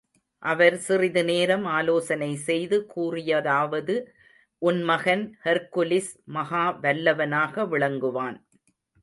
அவர் சிறிது நேரம் ஆலோசனை செய்து கூறியதாவது உன் மகன் ஹெர்க்குலிஸ் மகா வல்லவனாக விளங்குவான்.